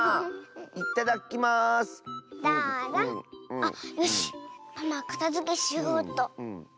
あっよしパマはかたづけしようっと。